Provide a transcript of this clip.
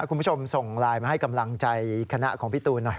คุณผู้ชมส่งไลน์มาให้กำลังใจคณะของพี่ตูนหน่อย